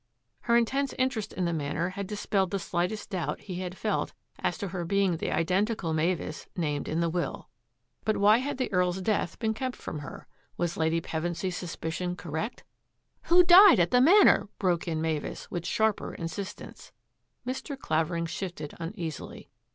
Her intense interest in the Manor had dispelled the slightest doubt he had felt as to her being the identical Mavis named in the will. But why had WILD ROSE VILLA 169 the EarPs death been kept from her? Was Lady Pevensy's suspicion correct? " Who died at the Manor? " broke in Mavis, with sharper insistence. Mr. Clavering shifted uneasily.